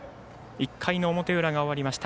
１回の表裏が終わりました。